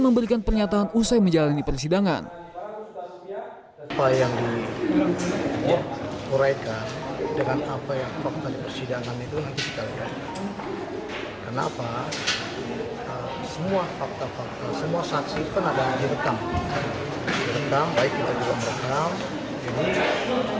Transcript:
memberikan pernyataan usai menjalani persidangan yang dikorekan dengan apa yang waktu persidangan